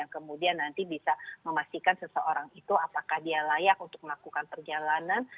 kemudian nanti bisa memastikan seseorang itu apakah dia layak untuk melakukan perjalanan